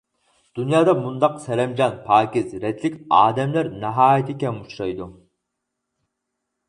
دۇنيادا مۇنداق سەرەمجان، پاكىز، رەتلىك ئادەملەر ناھايىتى كەم ئۇچرايدۇ.